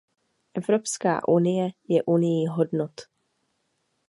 Evropská unie je unií hodnot.